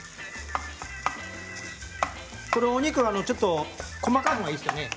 お肉はちょっと細かいほうがいいですよね。